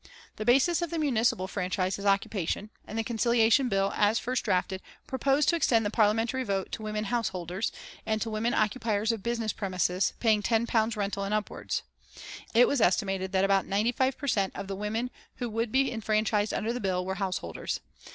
The basis of the municipal franchise is occupation, and the Conciliation Bill, as first drafted, proposed to extend the Parliamentary vote to women householders, and to women occupiers of business premises paying ten pounds rental and upwards. It was estimated that about ninety five per cent. of the women who would be enfranchised under the bill were householders.